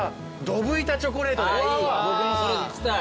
僕もそれいきたい。